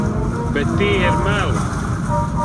Bet tie ir meli.